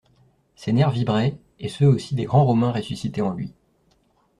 Ses nerfs vibraient, et ceux aussi des grands Romains ressuscités en lui.